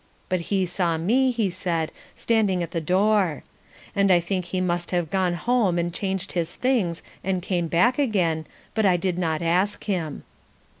But he saw me, he said, standing at the door. And I think he must have gone home and changed his things and come back again, but I did not ask him.